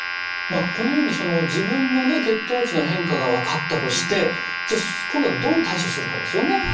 まあこのようにその自分のね血糖値の変化が分かったとしてじゃあ今度はどう対処するかですよね。